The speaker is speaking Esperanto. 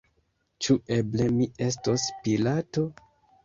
Ĉu eble mi estos Pilato?